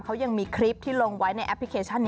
เขายังมีคลิปที่ลงไว้ในแอปพลิเคชัน